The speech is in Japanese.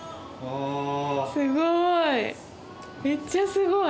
すごい。